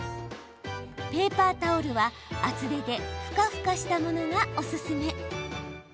ペーパータオルは厚手でふかふかしたものがおすすめ。